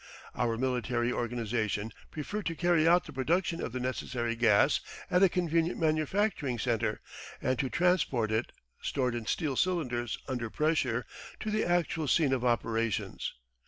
Our military organisation preferred to carry out the production of the necessary gas at a convenient manufacturing centre and to transport it, stored in steel cylinders under pressure, to the actual scene of operations.